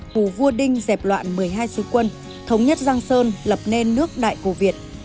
của vua đinh dẹp loạn một mươi hai sư quân thống nhất giang sơn lập nên nước đại cổ việt